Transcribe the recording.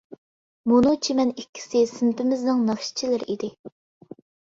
مۇنۇ چىمەن ئىككىسى سىنىپىمىزنىڭ ناخشىچىلىرى ئىدى.